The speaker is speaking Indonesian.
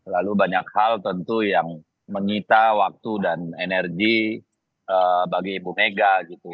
lalu banyak hal tentu yang menyita waktu dan energi bagi ibu mega gitu